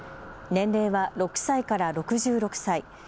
年齢は６歳から６６歳。